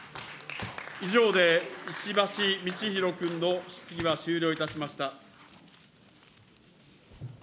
以上で石橋通宏君の質疑は終了いたしました。